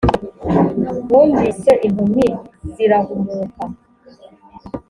mwumvise impumyi zirahumuka,